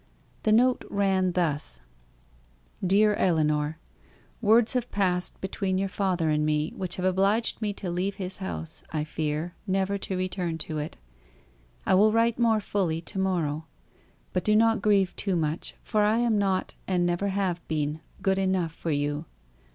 The note ran thus: "DEAR ELLINOR, Words have passed between your father and me which have obliged me to leave his house, I fear, never to return to it. I will write more fully to morrow. But do not grieve too much, for I am not, and never have been, good enough for you.